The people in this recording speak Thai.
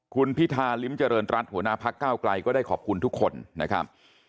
คุณพิธาริมเจริญรัฐหัวหน้าพักเก้าไกลก็ได้ขอบคุณทุกคนนะครับ